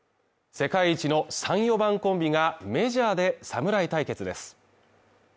世界一の３・４番コンビがメジャーで侍対決です。